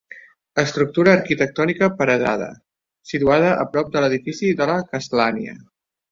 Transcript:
Estructura arquitectònica paredada, situada a prop de l'edifici de La Castlania.